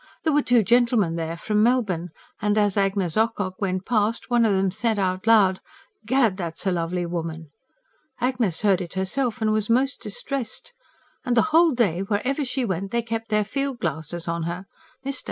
There were two gentlemen there from Melbourne; and as Agnes Ocock went past, one of them said out loud: 'Gad! That's a lovely woman.' Agnes heard it herself, and was most distressed. And the whole day, wherever she went, they kept their field glasses on her. Mr.